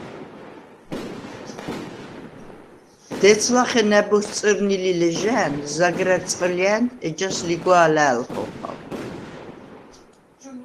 დეც ლახე ნა̈ბოზს წჷრნი ლი ლეჟა̄̈ნ, ზაგრა̈რ წყჷლჲა̈ნ, ეჯას ლიგვა̄ლა̄̈ლ ხოხალ.